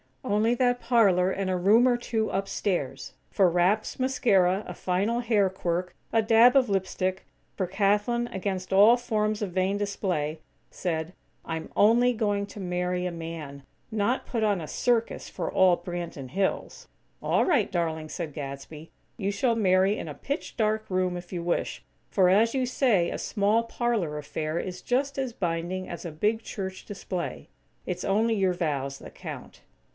Only that parlor and a room or two upstairs, for wraps, mascara, a final hair quirk, a dab of lip stick; for Kathlyn, against all forms of "vain display," said: "I'm only going to marry a man; not put on a circus for all Branton Hills." "All right, darling," said Gadsby, "you shall marry in a pitch dark room if you wish; for, as you say, a small, parlor affair is just as binding as a big church display. It's only your vows that count."